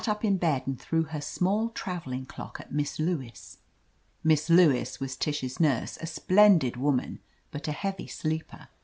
up in bed and threw her small traveling clock at Miss Lewis. (Miss Lewis was Tish's nurse, a splendid woman, but a heavy sleeper.